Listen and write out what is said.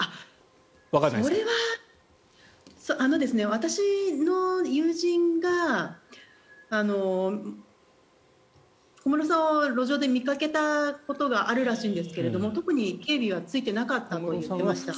私の友人が小室さんを路上で見かけたことがあるらしいですが特に警備はついていなかったと言っていました。